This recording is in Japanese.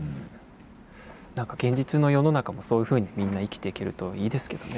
何か現実の世の中もそういうふうにみんな生きていけるといいですけどね。